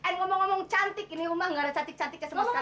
eh ngomong ngomong cantik ini rumah gak ada cantik cantiknya sama sekali